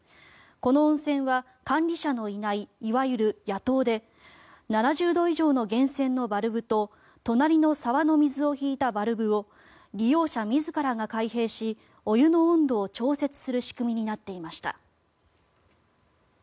この温泉は管理者のいないいわゆる野湯で７０度以上の源泉のバルブと隣の沢の水を引いたバルブを利用者自らが開閉しお湯の温度を調節する仕組みになっていました。